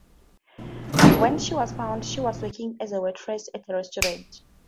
When she was found, she was working as a waitress at a restaurant.